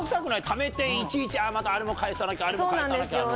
ためていちいちあれも返さなきゃあれも返さなきゃの方が。